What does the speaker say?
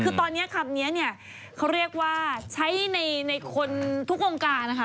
คือตอนนี้คำนี้เนี่ยเขาเรียกว่าใช้ในคนทุกวงการนะคะ